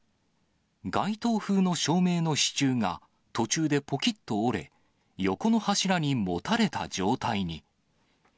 街灯風の照明の支柱が、途中でぽきっと折れ、横の柱にもたれた状態に。